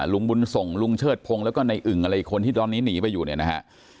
ลุงบุญส่งลุงเชิดพงศ์แล้วก็ในอึ่งอะไรอีกคนที่ตอนนี้หนีไปอยู่เนี่ยนะฮะ